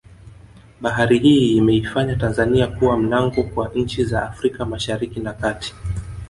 Bahari hii imeifanya Tanzania kuwa mlango kwa nchi za Afrika mashariki na kati